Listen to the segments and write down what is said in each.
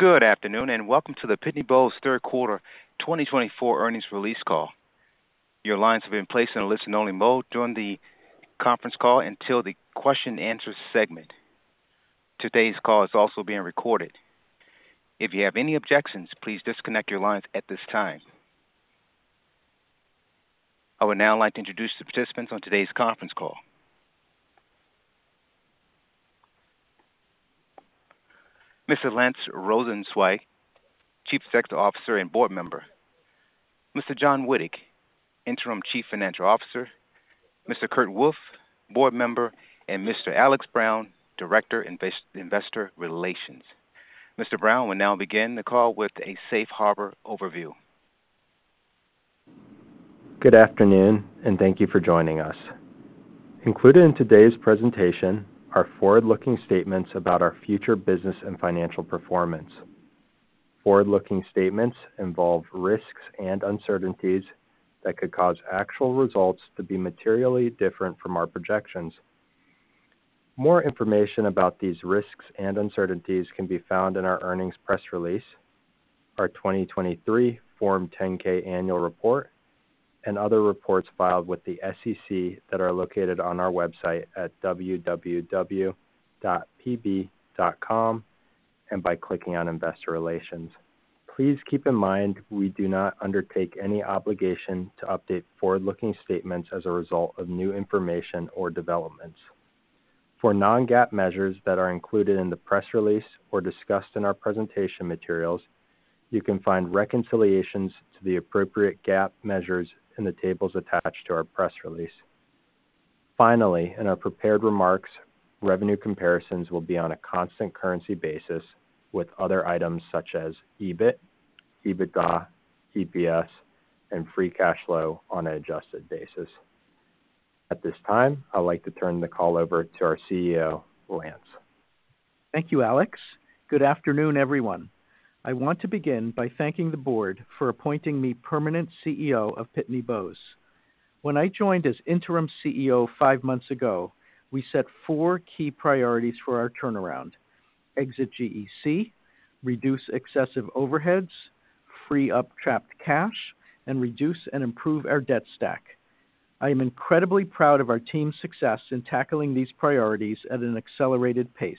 Good afternoon and welcome to the Pitney Bowes Third Quarter 2024 earnings release call. Your lines have been placed in a listen-only mode during the conference call until the question-and-answer segment. Today's call is also being recorded. If you have any objections, please disconnect your lines at this time. I would now like to introduce the participants on today's conference call. Mr. Lance Rosenzweig, Chief Executive Officer and Board Member, Mr. John Witte, Interim Chief Financial Officer, Mr. Kurt Wolf, Board Member, and Mr. Alex Brown, Director of Investor Relations. Mr. Brown will now begin the call with a safe harbor overview. Good afternoon and thank you for joining us. Included in today's presentation are forward-looking statements about our future business and financial performance. Forward-looking statements involve risks and uncertainties that could cause actual results to be materially different from our projections. More information about these risks and uncertainties can be found in our earnings press release, our 2023 Form 10-K annual report, and other reports filed with the SEC that are located on our website at www.pb.com and by clicking on Investor Relations. Please keep in mind we do not undertake any obligation to update forward-looking statements as a result of new information or developments. For non-GAAP measures that are included in the press release or discussed in our presentation materials, you can find reconciliations to the appropriate GAAP measures in the tables attached to our press release. Finally, in our prepared remarks, revenue comparisons will be on a constant currency basis with other items such as EBIT, EBITDA, EPS, and free cash flow on an adjusted basis. At this time, I'd like to turn the call over to our CEO, Lance. Thank you, Alex. Good afternoon, everyone. I want to begin by thanking the board for appointing me permanent CEO of Pitney Bowes. When I joined as interim CEO five months ago, we set four key priorities for our turnaround: exit GEC, reduce excessive overheads, free up trapped cash, and reduce and improve our debt stack. I am incredibly proud of our team's success in tackling these priorities at an accelerated pace.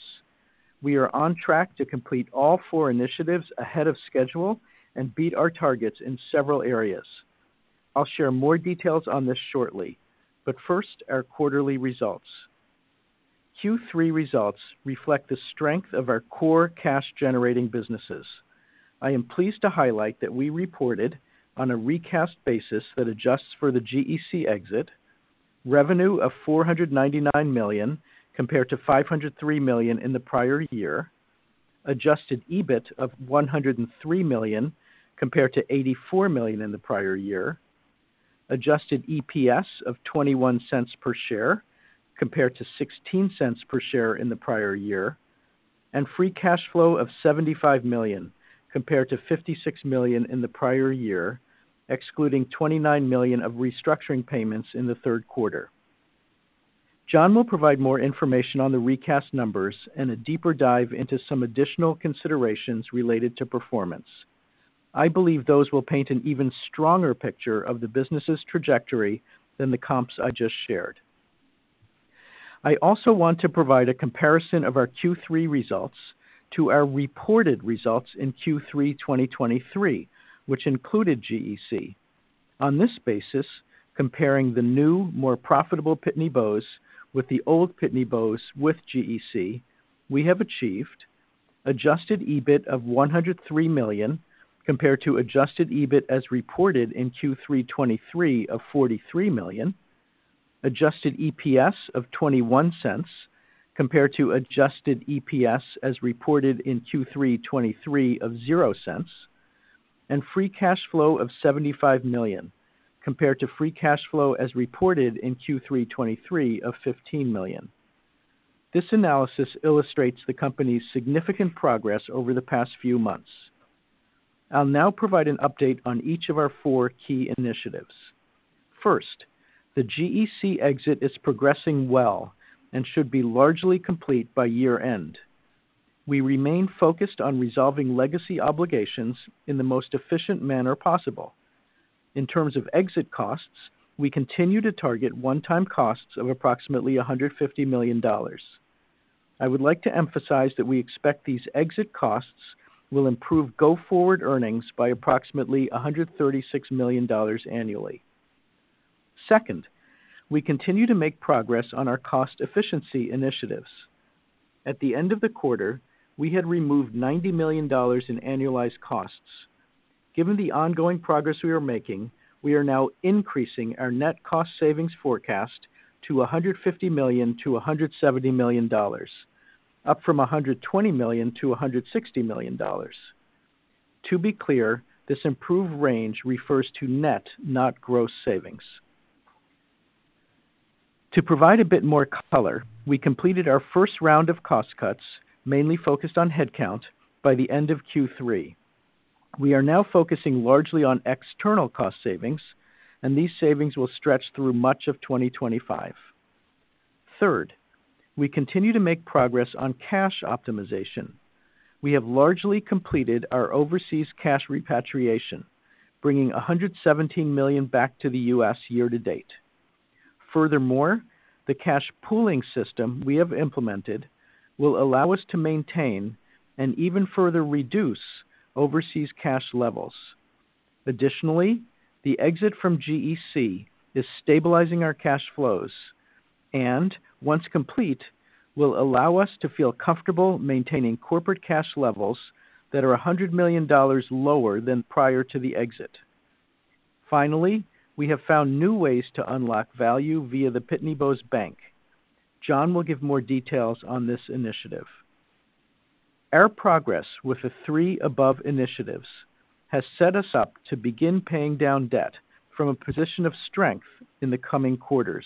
We are on track to complete all four initiatives ahead of schedule and beat our targets in several areas. I'll share more details on this shortly, but first, our quarterly results. Q3 results reflect the strength of our core cash-generating businesses.I am pleased to highlight that we reported on a recast basis that adjusts for the GEC exit, revenue of $499 million compared to $503 million in the prior year, adjusted EBIT of $103 million compared to $84 million in the prior year, adjusted EPS of $0.21 per share compared to $0.16 per share in the prior year, and free cash flow of $75 million compared to $56 million in the prior year, excluding $29 million of restructuring payments in the third quarter. John will provide more information on the recast numbers and a deeper dive into some additional considerations related to performance. I believe those will paint an even stronger picture of the business's trajectory than the comps I just shared. I also want to provide a comparison of our Q3 results to our reported results in Q3 2023, which included GEC. On this basis, comparing the new, more profitable Pitney Bowes with the old Pitney Bowes with GEC, we have achieved: adjusted EBIT of $103 million compared to adjusted EBIT as reported in Q3 2023 of $43 million, adjusted EPS of $0.21 compared to adjusted EPS as reported in Q3 2023 of $0, and free cash flow of $75 million compared to free cash flow as reported in Q3 2023 of $15 million. This analysis illustrates the company's significant progress over the past few months. I'll now provide an update on each of our four key initiatives. First, the GEC exit is progressing well and should be largely complete by year-end. We remain focused on resolving legacy obligations in the most efficient manner possible. In terms of exit costs, we continue to target one-time costs of approximately $150 million.I would like to emphasize that we expect these exit costs will improve go-forward earnings by approximately $136 million annually. Second, we continue to make progress on our cost efficiency initiatives. At the end of the quarter, we had removed $90 million in annualized costs. Given the ongoing progress we are making, we are now increasing our net cost savings forecast to $150 million-$170 million, up from $120 million-$160 million. To be clear, this improved range refers to net, not gross savings. To provide a bit more color, we completed our first round of cost cuts, mainly focused on headcount, by the end of Q3. We are now focusing largely on external cost savings, and these savings will stretch through much of 2025. Third, we continue to make progress on cash optimization. We have largely completed our overseas cash repatriation, bringing $117 million back to the U.S. year-to-date. Furthermore, the cash pooling system we have implemented will allow us to maintain and even further reduce overseas cash levels. Additionally, the exit from GEC is stabilizing our cash flows and, once complete, will allow us to feel comfortable maintaining corporate cash levels that are $100 million lower than prior to the exit. Finally, we have found new ways to unlock value via the Pitney Bowes Bank. John will give more details on this initiative. Our progress with the three above initiatives has set us up to begin paying down debt from a position of strength in the coming quarters.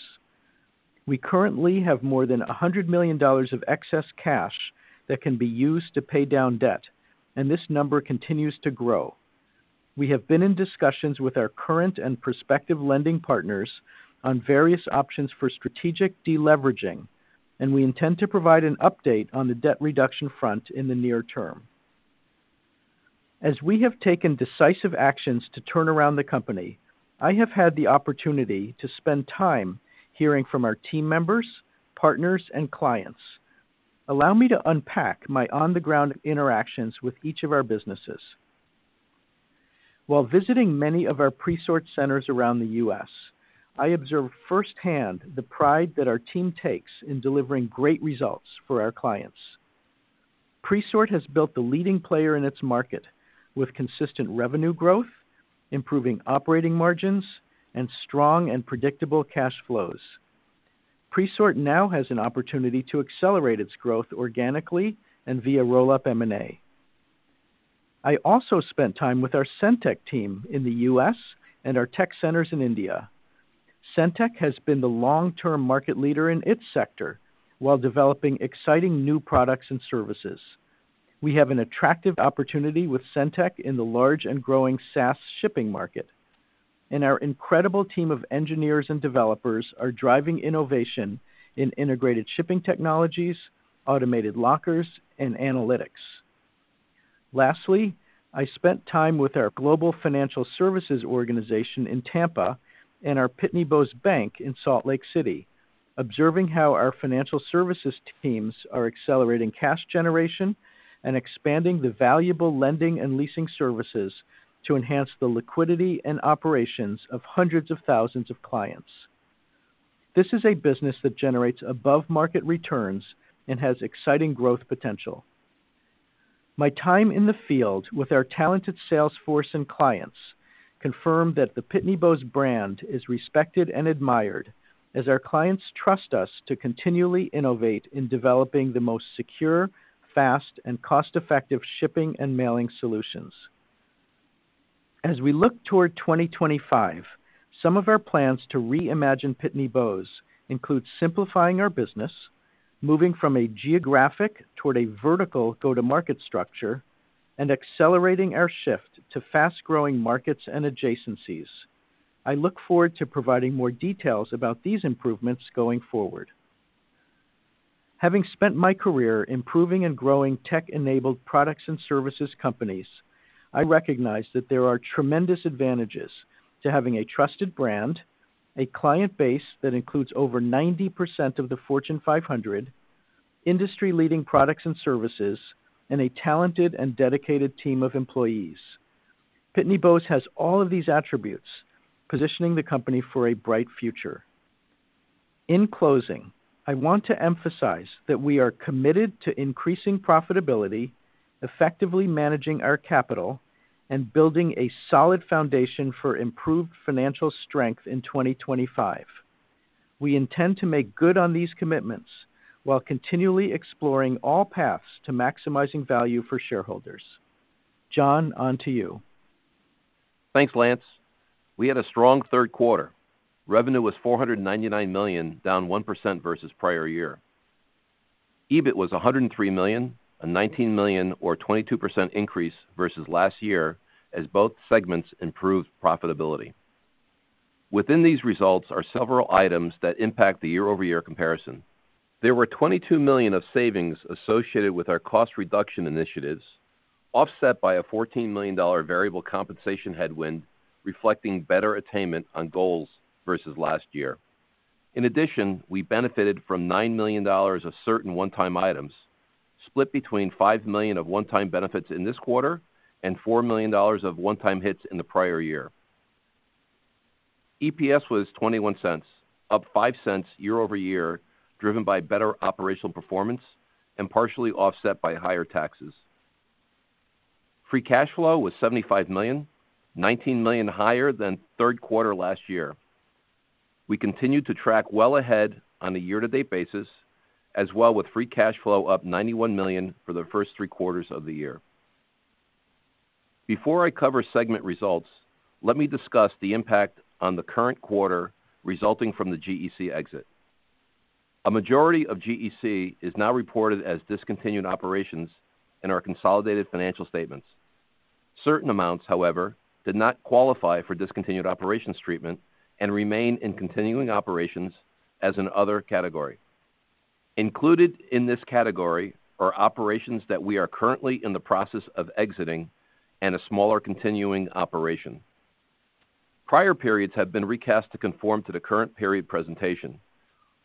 We currently have more than $100 million of excess cash that can be used to pay down debt, and this number continues to grow. We have been in discussions with our current and prospective lending partners on various options for strategic deleveraging, and we intend to provide an update on the debt reduction front in the near term. As we have taken decisive actions to turn around the company, I have had the opportunity to spend time hearing from our team members, partners, and clients. Allow me to unpack my on-the-ground interactions with each of our businesses. While visiting many of our Presort centers around the U.S., I observed firsthand the pride that our team takes in delivering great results for our clients. Presort has built the leading player in its market with consistent revenue growth, improving operating margins, and strong and predictable cash flows. Presort now has an opportunity to accelerate its growth organically and via roll-up M&A. I also spent time with our SendTech team in the U.S. .And our tech centers in India. SendTech has been the long-term market leader in its sector while developing exciting new products and services. We have an attractive opportunity with SendTech in the large and growing SaaS shipping market, and our incredible team of engineers and developers are driving innovation in integrated shipping technologies, automated lockers, and analytics. Lastly, I spent time with our Global Financial Services organization in Tampa and our Pitney Bowes Bank in Salt Lake City, observing how our financial services teams are accelerating cash generation and expanding the valuable lending and leasing services to enhance the liquidity and operations of hundreds of thousands of clients. This is a business that generates above-market returns and has exciting growth potential. My time in the field with our talented salesforce and clients confirmed that the Pitney Bowes brand is respected and admired, as our clients trust us to continually innovate in developing the most secure, fast, and cost-effective shipping and mailing solutions. As we look toward 2025, some of our plans to reimagine Pitney Bowes include simplifying our business, moving from a geographic toward a vertical go-to-market structure, and accelerating our shift to fast-growing markets and adjacencies. I look forward to providing more details about these improvements going forward. Having spent my career improving and growing tech-enabled products and services companies, I recognize that there are tremendous advantages to having a trusted brand, a client base that includes over 90% of the Fortune 500, industry-leading products and services, and a talented and dedicated team of employees. Pitney Bowes has all of these attributes, positioning the company for a bright future. In closing, I want to emphasize that we are committed to increasing profitability, effectively managing our capital, and building a solid foundation for improved financial strength in 2025. We intend to make good on these commitments while continually exploring all paths to maximizing value for shareholders. John, on to you. Thanks, Lance. We had a strong third quarter. Revenue was $499 million, down 1% versus prior year. EBIT was $103 million, a $19 million or 22% increase versus last year, as both segments improved profitability. Within these results are several items that impact the year-over-year comparison. There were $22 million of savings associated with our cost reduction initiatives, offset by a $14 million variable compensation headwind reflecting better attainment on goals versus last year. In addition, we benefited from $9 million of certain one-time items, split between $5 million of one-time benefits in this quarter and $4 million of one-time hits in the prior year. EPS was $0.21, up $0.05 year-over-year, driven by better operational performance and partially offset by higher taxes. Free cash flow was $75 million, $19 million higher than third quarter last year. We continue to track well ahead on a year-to-date basis, as well with free cash flow up $91 million for the first three quarters of the year. Before I cover segment results, let me discuss the impact on the current quarter resulting from the GEC exit. A majority of GEC is now reported as discontinued operations in our consolidated financial statements. Certain amounts, however, did not qualify for discontinued operations treatment and remain in continuing operations as an other category. Included in this category are operations that we are currently in the process of exiting and a smaller continuing operation. Prior periods have been recast to conform to the current period presentation.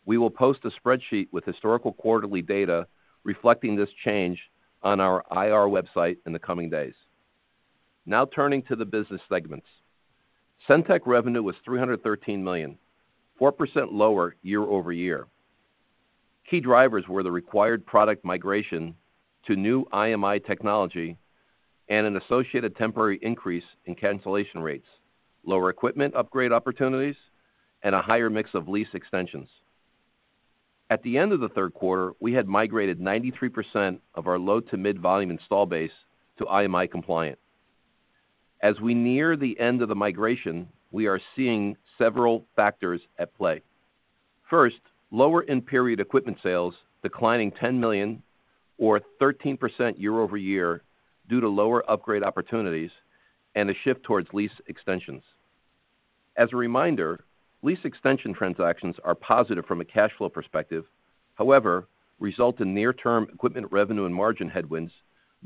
We will post a spreadsheet with historical quarterly data reflecting this change on our IR website in the coming days. Now turning to the business segments. SendTech revenue was $313 million, 4% lower year-over-year. Key drivers were the required product migration to new IMI technology and an associated temporary increase in cancellation rates, lower equipment upgrade opportunities, and a higher mix of lease extensions. At the end of the third quarter, we had migrated 93% of our low-to-mid volume install base to IMI-compliant. As we near the end of the migration, we are seeing several factors at play. First, lower in-period equipment sales declining $10 million, or 13% year-over-year due to lower upgrade opportunities and a shift towards lease extensions. As a reminder, lease extension transactions are positive from a cash flow perspective. However, result in near-term equipment revenue and margin headwinds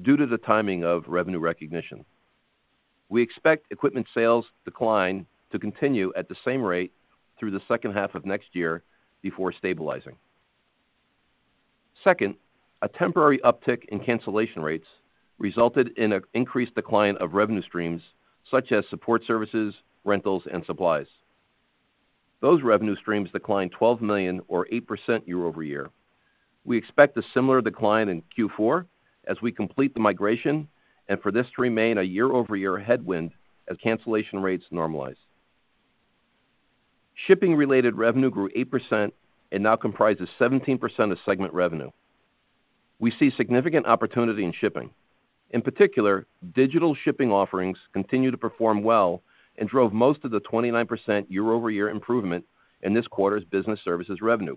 due to the timing of revenue recognition. We expect equipment sales decline to continue at the same rate through the second half of next year before stabilizing. Second, a temporary uptick in cancellation rates resulted in an increased decline of revenue streams such as support services, rentals, and supplies. Those revenue streams declined $12 million, or 8% year-over-year. We expect a similar decline in Q4 as we complete the migration and for this to remain a year-over-year headwind as cancellation rates normalize. Shipping-related revenue grew 8% and now comprises 17% of segment revenue. We see significant opportunity in shipping. In particular, digital shipping offerings continue to perform well and drove most of the 29% year-over-year improvement in this quarter's business services revenue.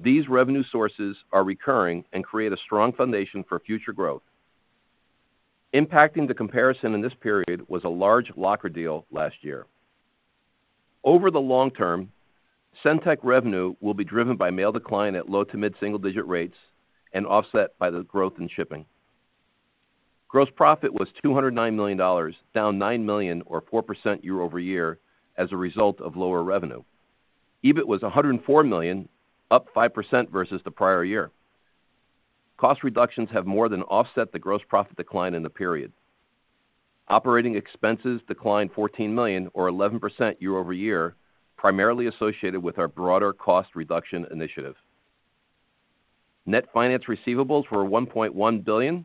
These revenue sources are recurring and create a strong foundation for future growth. Impacting the comparison in this period was a large locker deal last year. Over the long term, SendTech revenue will be driven by mail decline at low-to-mid single-digit rates and offset by the growth in shipping. Gross profit was $209 million, down $9 million, or 4% year-over-year as a result of lower revenue. EBIT was $104 million, up 5% versus the prior year. Cost reductions have more than offset the gross profit decline in the period. Operating expenses declined $14 million, or 11% year-over-year, primarily associated with our broader cost reduction initiative. Net finance receivables were $1.1 billion,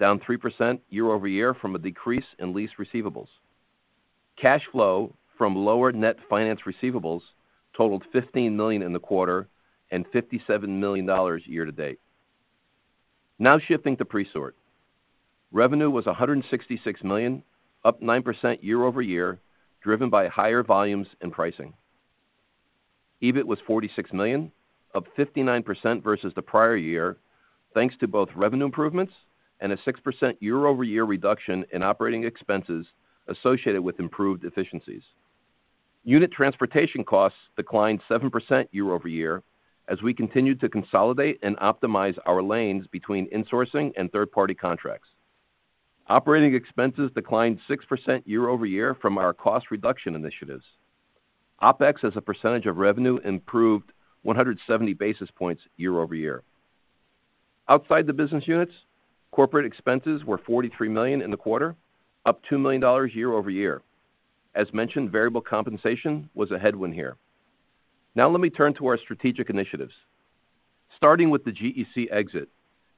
down 3% year-over-year from a decrease in lease receivables. Cash flow from lower net finance receivables totaled $15 million in the quarter and $57 million year-to-date. Now shifting to Presort. Revenue was $166 million, up 9% year-over-year, driven by higher volumes and pricing. EBIT was $46 million, up 59% versus the prior year, thanks to both revenue improvements and a 6% year-over-year reduction in operating expenses associated with improved efficiencies. Unit transportation costs declined 7% year-over-year as we continued to consolidate and optimize our lanes between insourcing and third-party contracts. Operating expenses declined 6% year-over-year from our cost reduction initiatives. OPEX as a percentage of revenue improved 170 basis points year-over-year. Outside the business units, corporate expenses were $43 million in the quarter, up $2 million year-over-year. As mentioned, variable compensation was a headwind here. Now let me turn to our strategic initiatives. Starting with the GEC exit,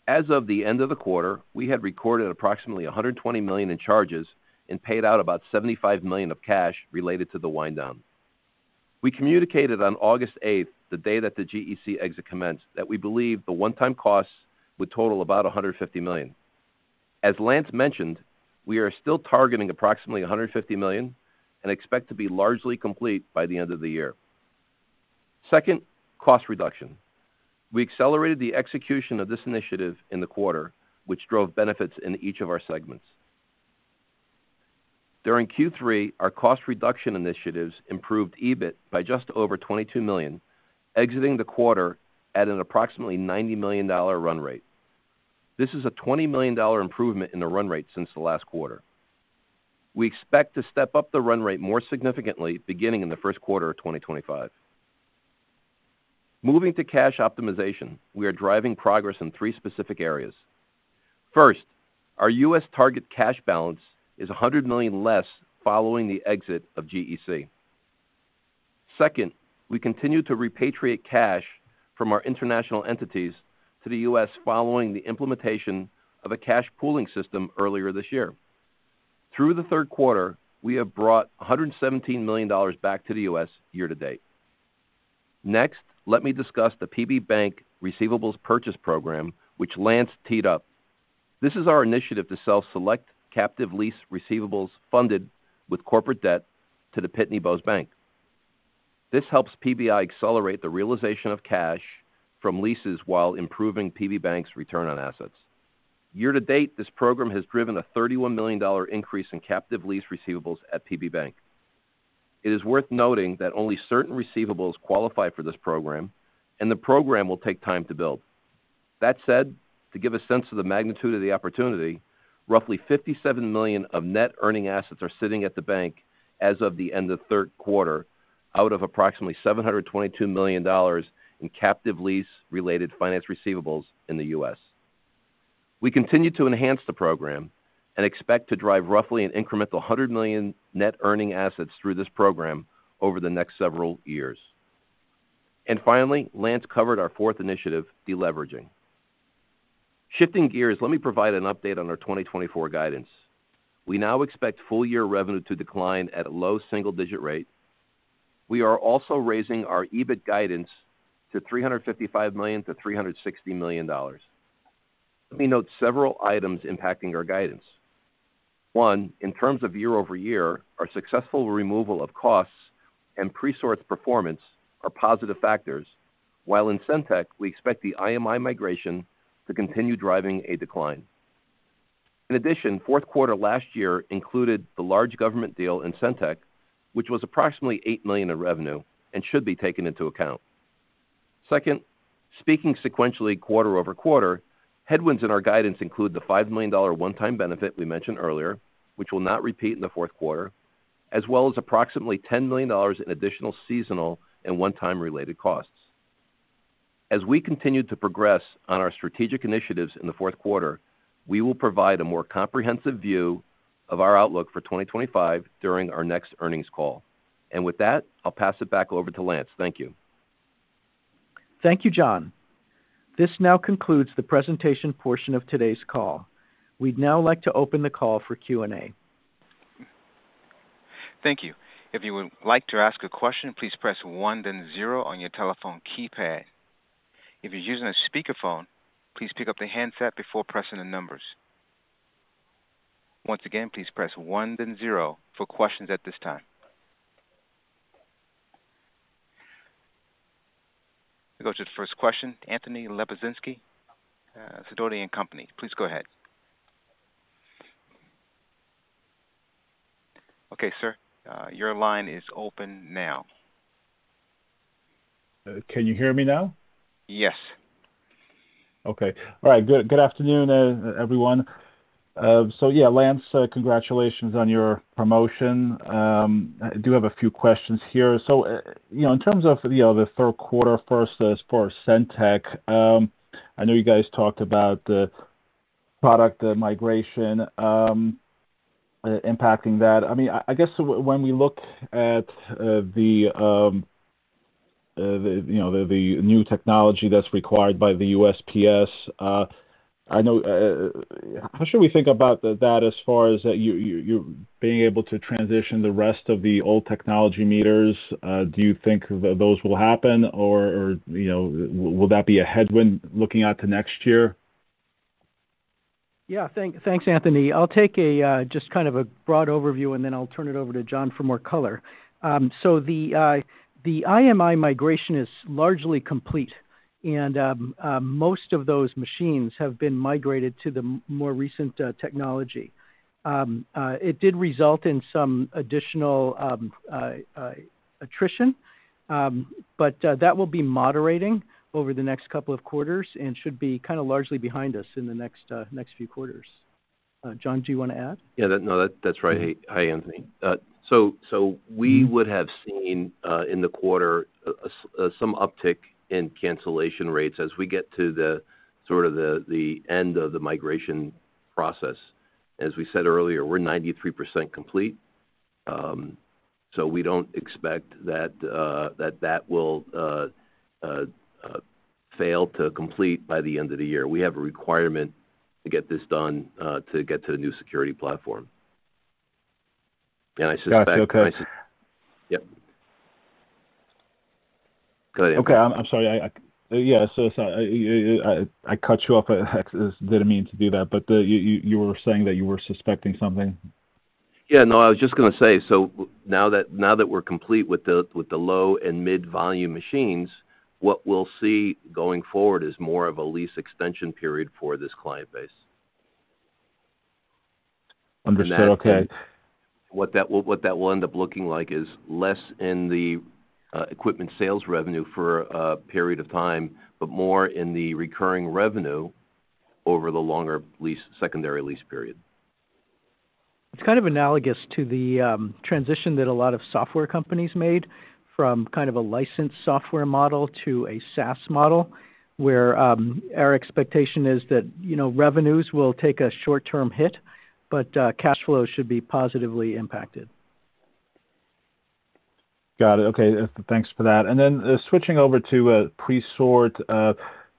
as of the end of the quarter, we had recorded approximately $120 million in charges and paid out about $75 million of cash related to the wind-down. We communicated on August 8th, the day that the GEC exit commenced, that we believe the one-time costs would total about $150 million. As Lance mentioned, we are still targeting approximately $150 million and expect to be largely complete by the end of the year. Second, cost reduction. We accelerated the execution of this initiative in the quarter, which drove benefits in each of our segments. During Q3, our cost reduction initiatives improved EBIT by just over $22 million, exiting the quarter at an approximately $90 million run rate. This is a $20 million improvement in the run rate since the last quarter. We expect to step up the run rate more significantly beginning in the first quarter of 2025. Moving to cash optimization, we are driving progress in three specific areas. First, our U.S. target cash balance is $100 million less following the exit of GEC. Second, we continue to repatriate cash from our international entities to the U.S. following the implementation of a cash pooling system earlier this year. Through the third quarter, we have brought $117 million back to the U.S. year-to-date. Next, let me discuss the PB Bank receivables purchase program, which Lance teed up. This is our initiative to sell select captive lease receivables funded with corporate debt to the Pitney Bowes Bank. This helps PBI accelerate the realization of cash from leases while improving PB Bank's return on assets. Year-to-date, this program has driven a $31 million increase in captive lease receivables at PB Bank. It is worth noting that only certain receivables qualify for this program, and the program will take time to build. That said, to give a sense of the magnitude of the opportunity, roughly $57 million of net earning assets are sitting at the bank as of the end of the third quarter, out of approximately $722 million in captive lease-related finance receivables in the U.S.We continue to enhance the program and expect to drive roughly an incremental $100 million net earning assets through this program over the next several years, and finally, Lance covered our fourth initiative, deleveraging. Shifting gears, let me provide an update on our 2024 guidance. We now expect full-year revenue to decline at a low single-digit rate. We are also raising our EBIT guidance to $355 million-$360 million. Let me note several items impacting our guidance. One, in terms of year-over-year, our successful removal of costs and Presort's performance are positive factors, while in SendTech, we expect the IMI migration to continue driving a decline. In addition, fourth quarter last year included the large government deal in SendTech, which was approximately $8 million in revenue and should be taken into account. Second, speaking sequentially quarter over quarter, headwinds in our guidance include the $5 million one-time benefit we mentioned earlier, which will not repeat in the fourth quarter, as well as approximately $10 million in additional seasonal and one-time-related costs. As we continue to progress on our strategic initiatives in the fourth quarter, we will provide a more comprehensive view of our outlook for 2025 during our next earnings call. And with that, I'll pass it back over to Lance. Thank you. Thank you, John. This now concludes the presentation portion of today's call. We'd now like to open the call for Q&A. Thank you. If you would like to ask a question, please press 1, then 0 on your telephone keypad. If you're using a speakerphone, please pick up the handset before pressing the numbers. Once again, please press 1, then 0 for questions at this time. We'll go to the first question, Anthony Lebiedzinski, Sidoti & Company. Please go ahead. Okay, sir, your line is open now. Can you hear me now? Yes. Okay. All right. Good afternoon, everyone. So yeah, Lance, congratulations on your promotion. I do have a few questions here. So in terms of the third quarter, first, as far as SendTech, I know you guys talked about the product migration impacting that. I mean, I guess when we look at the new technology that's required by the USPS, I know how should we think about that as far as being able to transition the rest of the old technology meters? Do you think those will happen, or will that be a headwind looking out to next year? Yeah. Thanks, Anthony. I'll take just kind of a broad overview, and then I'll turn it over to John for more color. So the IMI migration is largely complete, and most of those machines have been migrated to the more recent technology. It did result in some additional attrition, but that will be moderating over the next couple of quarters and should be kind of largely behind us in the next few quarters. John, do you want to add? Yeah. No, that's right. Hi, Anthony. So we would have seen in the quarter some uptick in cancellation rates as we get to the sort of the end of the migration process. As we said earlier, we're 93% complete. So we don't expect that that will fail to complete by the end of the year. We have a requirement to get this done to get to the new security platform. And I suspect. Matt, are you okay? Yep. Go ahead. Okay. I'm sorry. Yeah. So I cut you off. I didn't mean to do that, but you were saying that you were suspecting something. Yeah. No, I was just going to say, so now that we're complete with the low and mid-volume machines, what we'll see going forward is more of a lease extension period for this client base. Understood. Okay. And what that will end up looking like is less in the equipment sales revenue for a period of time, but more in the recurring revenue over the longer secondary lease period. It's kind of analogous to the transition that a lot of software companies made from kind of a licensed software model to a SaaS model, where our expectation is that revenues will take a short-term hit, but cash flow should be positively impacted. Got it. Okay. Thanks for that. And then switching over to Presort,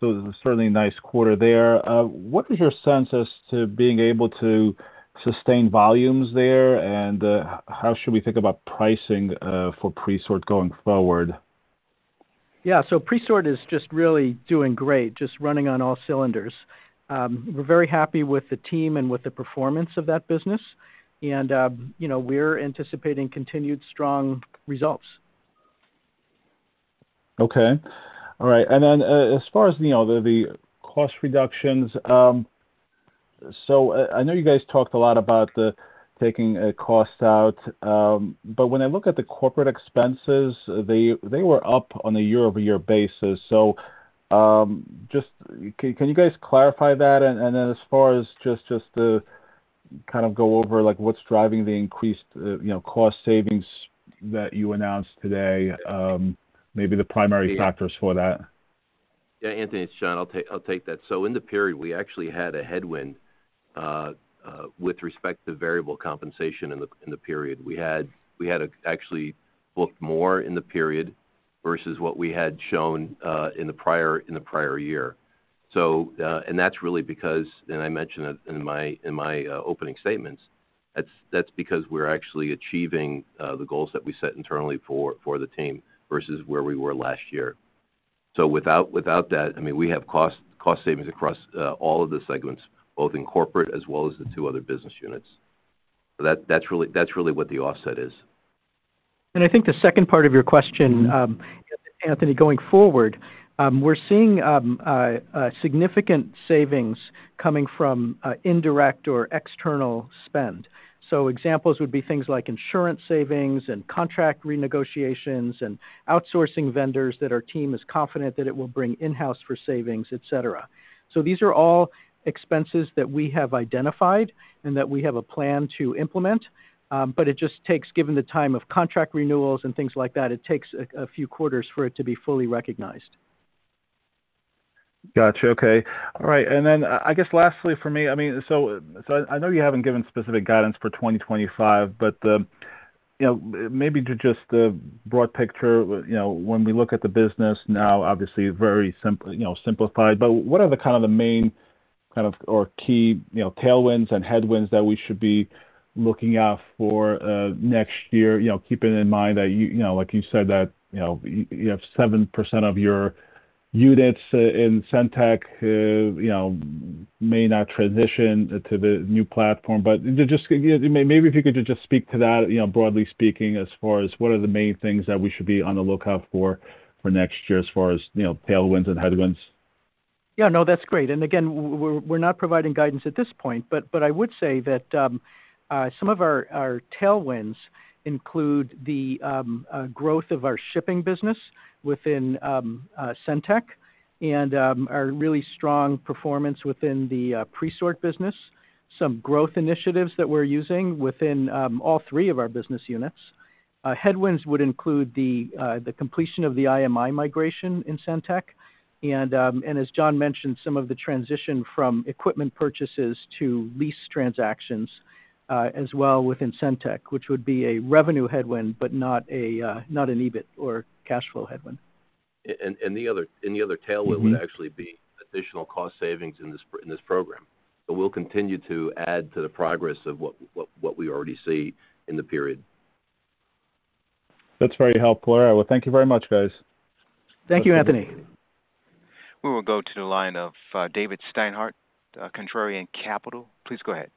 so certainly a nice quarter there. What is your sense as to being able to sustain volumes there, and how should we think about pricing for Presort going forward? Yeah, so Presort is just really doing great, just running on all cylinders. We're very happy with the team and with the performance of that business, and we're anticipating continued strong results. Okay. All right. And then as far as the cost reductions, so I know you guys talked a lot about taking costs out, but when I look at the corporate expenses, they were up on a year-over-year basis. So just can you guys clarify that? And then as far as just kind of go over what's driving the increased cost savings that you announced today, maybe the primary factors for that? Yeah. Anthony, it's John. I'll take that. So in the period, we actually had a headwind with respect to variable compensation in the period. We had actually booked more in the period versus what we had shown in the prior year. And that's really because, and I mentioned in my opening statements, that's because we're actually achieving the goals that we set internally for the team versus where we were last year. So without that, I mean, we have cost savings across all of the segments, both in corporate as well as the two other business units. That's really what the offset is. I think the second part of your question, Anthony, going forward, we're seeing significant savings coming from indirect or external spend. So examples would be things like insurance savings and contract renegotiations and outsourcing vendors that our team is confident that it will bring in-house for savings, etc. So these are all expenses that we have identified and that we have a plan to implement, but it just takes, given the time of contract renewals and things like that, it takes a few quarters for it to be fully recognized. Gotcha. Okay. All right. And then I guess lastly for me, I mean, so I know you haven't given specific guidance for 2025, but maybe just the broad picture, when we look at the business now, obviously very simplified, but what are the kind of the main kind of or key tailwinds and headwinds that we should be looking out for next year, keeping in mind that, like you said, that you have 7% of your units in SendTech may not transition to the new platform. But maybe if you could just speak to that, broadly speaking, as far as what are the main things that we should be on the lookout for next year as far as tailwinds and headwinds? Yeah. No, that's great. And again, we're not providing guidance at this point, but I would say that some of our tailwinds include the growth of our shipping business within SendTech and our really strong performance within the Presort business, some growth initiatives that we're using within all three of our business units. Headwinds would include the completion of the IMI migration in SendTech, and as John mentioned, some of the transition from equipment purchases to lease transactions as well within SendTech, which would be a revenue headwind, but not an EBIT or cash flow headwind. And the other tailwind would actually be additional cost savings in this program. But we'll continue to add to the progress of what we already see in the period. That's very helpful. All right. Well, thank you very much, guys. Thank you, Anthony. We will go to the line of David Steinhardt, Contrarian Capital. Please go ahead.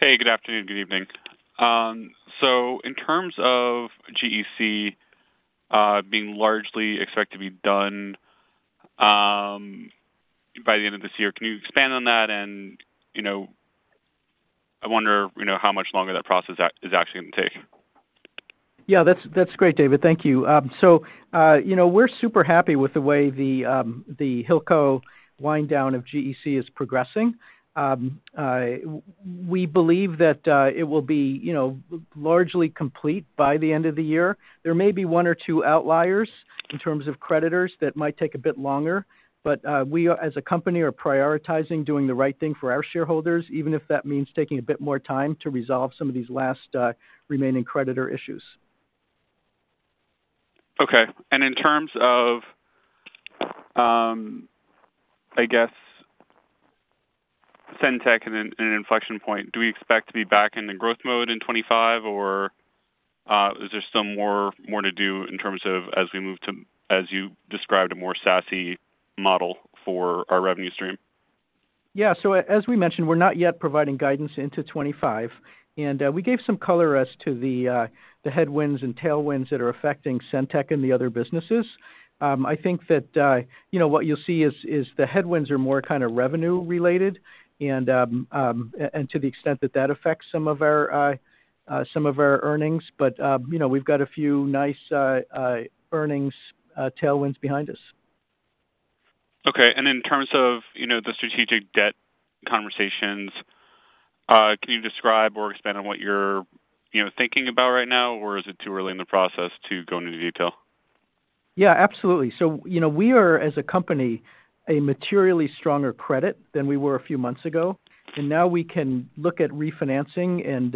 Hey, good afternoon, good evening. So in terms of GEC being largely expected to be done by the end of this year, can you expand on that? And I wonder how much longer that process is actually going to take. Yeah, that's great, David. Thank you. So we're super happy with the way the Hilco wind down of GEC is progressing. We believe that it will be largely complete by the end of the year. There may be one or two outliers in terms of creditors that might take a bit longer, but we as a company are prioritizing doing the right thing for our shareholders, even if that means taking a bit more time to resolve some of these last remaining creditor issues. Okay, and in terms of, I guess, SendTech and an inflection point, do we expect to be back in the growth mode in 2025, or is there still more to do in terms of, as we move to, as you described, a more SaaS model for our revenue stream? Yeah. So as we mentioned, we're not yet providing guidance into 2025, and we gave some color as to the headwinds and tailwinds that are affecting SendTech and the other businesses. I think that what you'll see is the headwinds are more kind of revenue-related and to the extent that that affects some of our earnings, but we've got a few nice earnings tailwinds behind us. Okay. And in terms of the strategic debt conversations, can you describe or expand on what you're thinking about right now, or is it too early in the process to go into detail? Yeah, absolutely. So we are, as a company, a materially stronger credit than we were a few months ago, and now we can look at refinancing and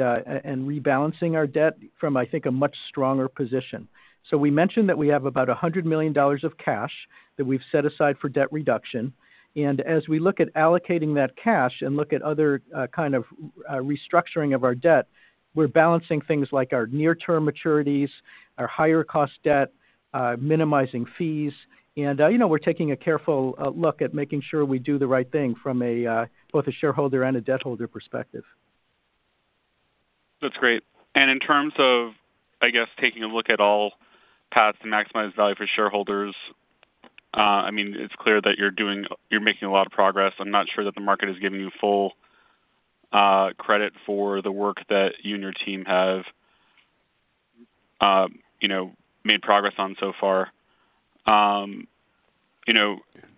rebalancing our debt from, I think, a much stronger position. So we mentioned that we have about $100 million of cash that we've set aside for debt reduction. And as we look at allocating that cash and look at other kind of restructuring of our debt, we're balancing things like our near-term maturities, our higher-cost debt, minimizing fees, and we're taking a careful look at making sure we do the right thing from both a shareholder and a debt holder perspective. That's great. And in terms of, I guess, taking a look at all paths to maximize value for shareholders, I mean, it's clear that you're making a lot of progress. I'm not sure that the market is giving you full credit for the work that you and your team have made progress on so far.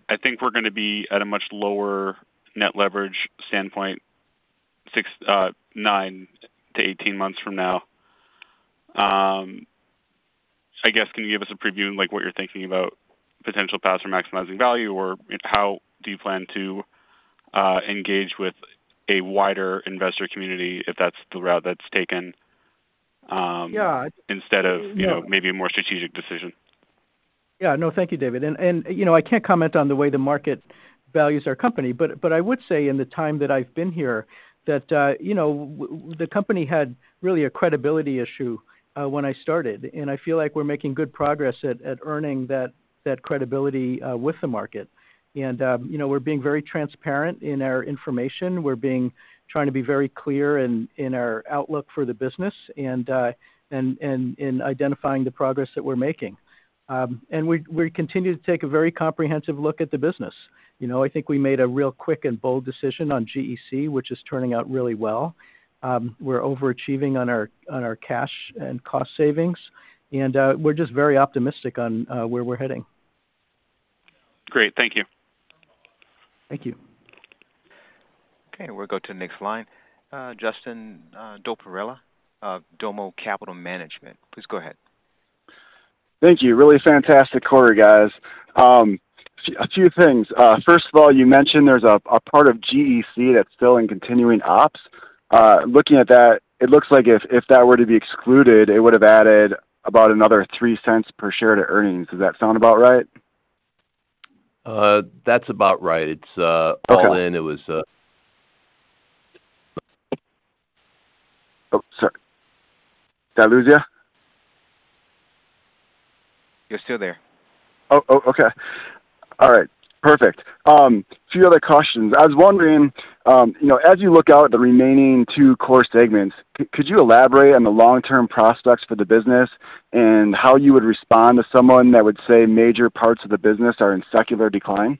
I think we're going to be at a much lower net leverage standpoint nine to 18 months from now. I guess, can you give us a preview on what you're thinking about potential paths for maximizing value, or how do you plan to engage with a wider investor community if that's the route that's taken instead of maybe a more strategic decision? Yeah. No, thank you, David. And I can't comment on the way the market values our company, but I would say in the time that I've been here that the company had really a credibility issue when I started, and I feel like we're making good progress at earning that credibility with the market. And we're being very transparent in our information. We're trying to be very clear in our outlook for the business and in identifying the progress that we're making. And we continue to take a very comprehensive look at the business. I think we made a real quick and bold decision on GEC, which is turning out really well. We're overachieving on our cash and cost savings, and we're just very optimistic on where we're heading. Great. Thank you. Thank you. Okay. We'll go to the next line. Justin Dopierala of Domo Capital Management. Please go ahead. Thank you. Really fantastic quarter, guys. A few things. First of all, you mentioned there's a part of GEC that's still in continuing ops. Looking at that, it looks like if that were to be excluded, it would have added about another $0.03 per share to earnings. Does that sound about right? That's about right. It's all in. It was. Oh, sorry. Did I lose you? You're still there. Oh, okay. All right. Perfect. A few other questions. I was wondering, as you look out at the remaining two core segments, could you elaborate on the long-term prospects for the business and how you would respond to someone that would say major parts of the business are in secular decline?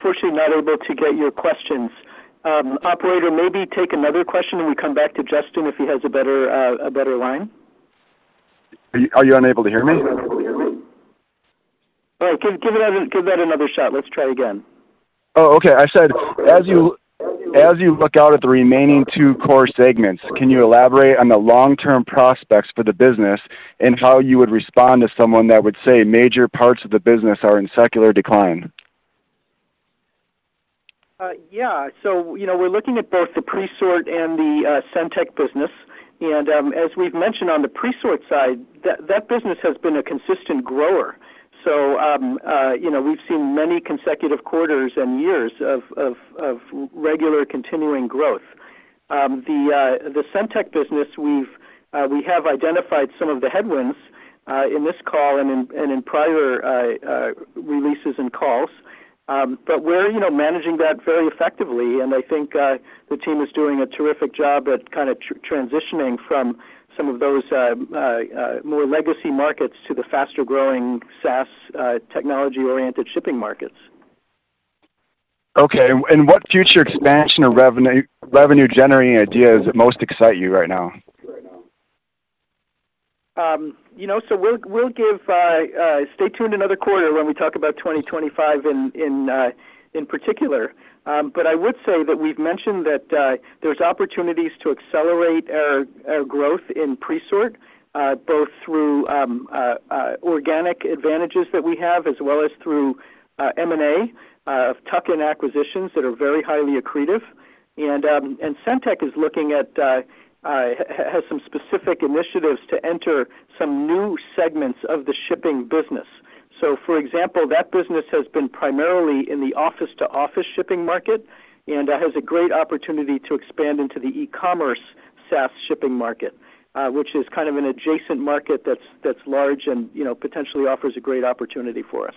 Apologies, not able to get your question. Operator, maybe take another question, and we come back to Justin if he has a better line. Are you unable to hear me? All right. Give that another shot. Let's try again. Oh, okay. I said, as you look out at the remaining two core segments, can you elaborate on the long-term prospects for the business and how you would respond to someone that would say major parts of the business are in secular decline? Yeah. So we're looking at both the Presort and the SendTech business. And as we've mentioned on the Presort side, that business has been a consistent grower. So we've seen many consecutive quarters and years of regular continuing growth. The SendTech business, we have identified some of the headwinds in this call and in prior releases and calls, but we're managing that very effectively, and I think the team is doing a terrific job at kind of transitioning from some of those more legacy markets to the faster-growing SaaS technology-oriented shipping markets. Okay, and what future expansion or revenue-generating ideas most excite you right now? So we'll stay tuned another quarter when we talk about 2025 in particular, but I would say that we've mentioned that there's opportunities to accelerate our growth in presort, both through organic advantages that we have as well as through M&A, tuck-in acquisitions that are very highly accretive. And SendTech has some specific initiatives to enter some new segments of the shipping business. So, for example, that business has been primarily in the office-to-office shipping market and has a great opportunity to expand into the e-commerce SaaS shipping market, which is kind of an adjacent market that's large and potentially offers a great opportunity for us.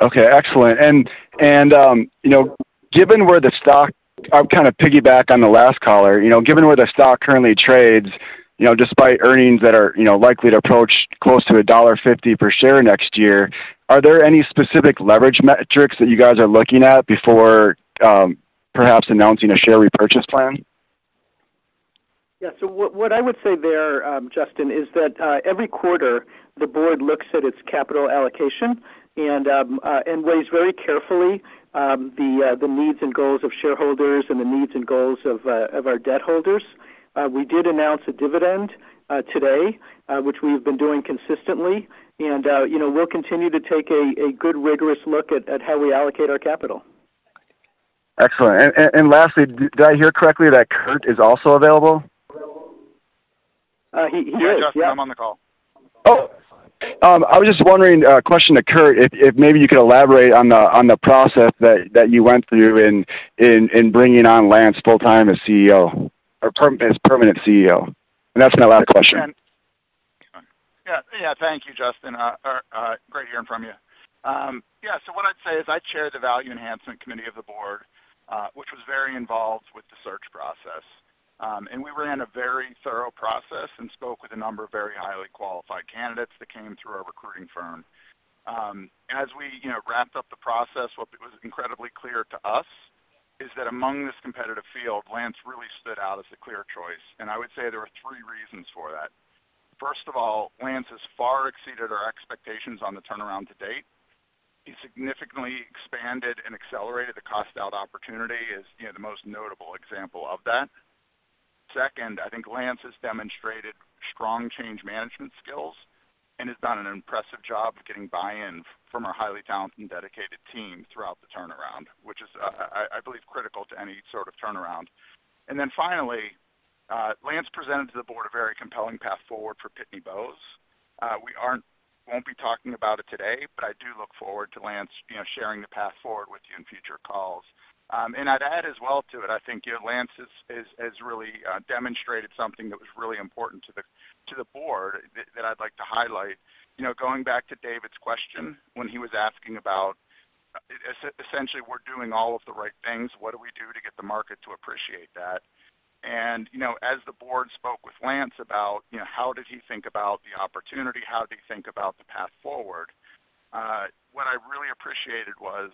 Okay. Excellent. And given where the stock, I'll kind of piggyback on the last caller. Given where the stock currently trades, despite earnings that are likely to approach close to $1.50 per share next year, are there any specific leverage metrics that you guys are looking at before perhaps announcing a share repurchase plan? Yeah, so what I would say there, Justin, is that every quarter, the board looks at its capital allocation and weighs very carefully the needs and goals of shareholders and the needs and goals of our debt holders. We did announce a dividend today, which we've been doing consistently, and we'll continue to take a good, rigorous look at how we allocate our capital. Excellent. Lastly, did I hear correctly that Kurt is also available? He is. Yeah. Hi, Justin. I'm on the call. Oh.I was just wondering, a question to Kurt, if maybe you could elaborate on the process that you went through in bringing on Lance full-time as CEO or as permanent CEO? And that's my last question. Yeah. Thank you, Justin. Great hearing from you. Yeah, so what I'd say is I chair the Value Enhancement Committee of the board, which was very involved with the search process, and we ran a very thorough process and spoke with a number of very highly qualified candidates that came through our recruiting firm. As we wrapped up the process, what was incredibly clear to us is that among this competitive field, Lance really stood out as a clear choice, and I would say there were three reasons for that. First of all, Lance has far exceeded our expectations on the turnaround to date. He significantly expanded and accelerated the cost-out opportunity as the most notable example of that. Second, I think Lance has demonstrated strong change management skills and has done an impressive job of getting buy-in from our highly talented, dedicated team throughout the turnaround, which is, I believe, critical to any sort of turnaround. And then finally, Lance presented to the board a very compelling path forward for Pitney Bowes. We won't be talking about it today, but I do look forward to Lance sharing the path forward with you in future calls. And I'd add as well to it, I think Lance has really demonstrated something that was really important to the board that I'd like to highlight. Going back to David's question when he was asking about, essentially, we're doing all of the right things, what do we do to get the market to appreciate that? As the board spoke with Lance about how did he think about the opportunity, how did he think about the path forward, what I really appreciated was,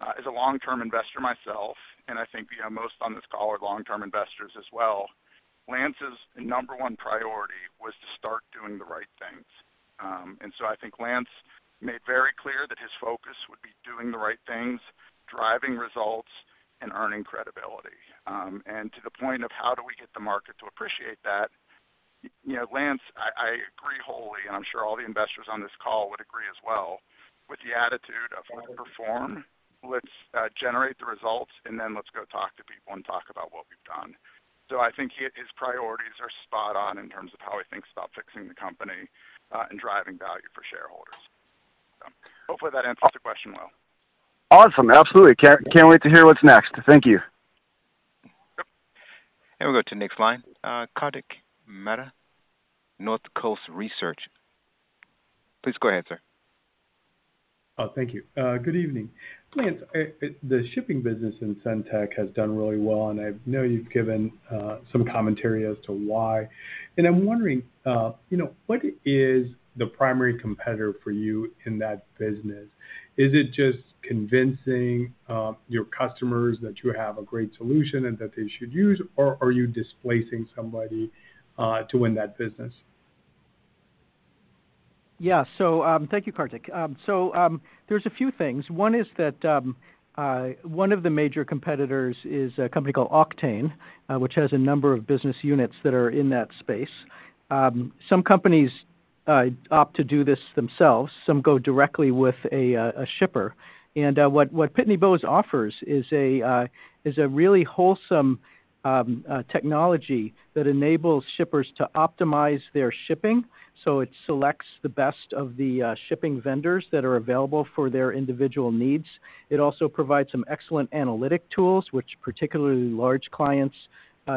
as a long-term investor myself, and I think most on this call are long-term investors as well, Lance's number one priority was to start doing the right things. I think Lance made very clear that his focus would be doing the right things, driving results, and earning credibility. And to the point of how do we get the market to appreciate that, Lance, I agree wholly, and I'm sure all the investors on this call would agree as well, with the attitude of, "Let's perform, let's generate the results, and then let's go talk to people and talk about what we've done." So I think his priorities are spot on in terms of how he thinks about fixing the company and driving value for shareholders. Hopefully, that answers the question well. Awesome. Absolutely. Can't wait to hear what's next. Thank you. We'll go to the next line. Kartik Mehta, North Coast Research. Please go ahead, sir. Oh, thank you. Good evening. Lance, the shipping business in SendTech has done really well, and I know you've given some commentary as to why, and I'm wondering, what is the primary competitor for you in that business? Is it just convincing your customers that you have a great solution and that they should use, or are you displacing somebody to win that business? Yeah. So thank you, Kartik. So there's a few things. One is that one of the major competitors is a company called Auctane, which has a number of business units that are in that space. Some companies opt to do this themselves. Some go directly with a shipper. And what Pitney Bowes offers is a really holistic technology that enables shippers to optimize their shipping. So it selects the best of the shipping vendors that are available for their individual needs. It also provides some excellent analytic tools, which particularly large clients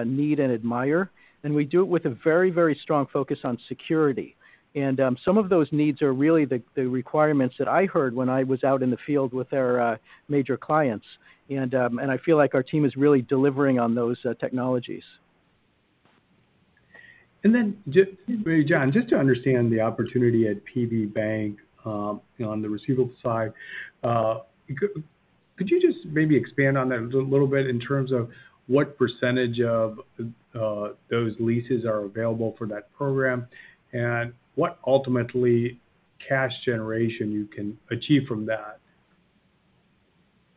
need and admire. And we do it with a very, very strong focus on security. And some of those needs are really the requirements that I heard when I was out in the field with our major clients. And I feel like our team is really delivering on those technologies. And then, John, just to understand the opportunity at PB Bank on the receivable side, could you just maybe expand on that a little bit in terms of what percentage of those leases are available for that program and what ultimately cash generation you can achieve from that?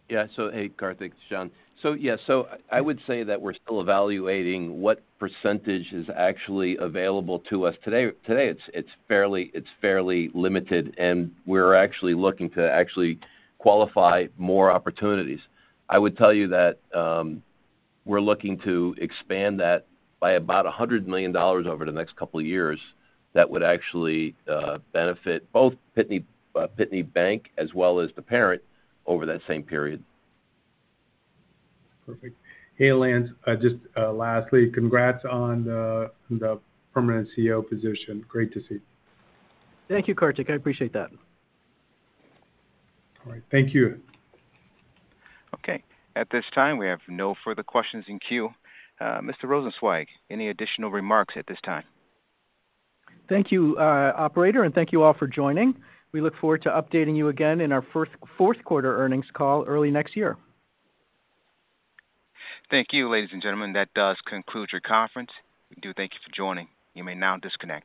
Yeah. So hey, Kartik, John. So yeah, so I would say that we're still evaluating what percentage is actually available to us. Today, it's fairly limited, and we're actually looking to actually qualify more opportunities. I would tell you that we're looking to expand that by about $100 million over the next couple of years that would actually benefit both Pitney Bank as well as the parent over that same period. Perfect. Hey, Lance, just lastly, congrats on the permanent CEO position. Great to see. Thank you, Kartik. I appreciate that. All right. Thank you. Okay. At this time, we have no further questions in queue. Mr. Rosenzweig, any additional remarks at this time? Thank you, Operator, and thank you all for joining. We look forward to updating you again in our fourth quarter earnings call early next year. Thank you, ladies and gentlemen. That does conclude your conference. We do thank you for joining. You may now disconnect.